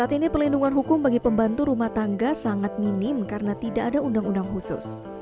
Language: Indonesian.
saat ini pelindungan hukum bagi pembantu rumah tangga sangat minim karena tidak ada undang undang khusus